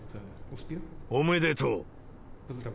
おめでとう。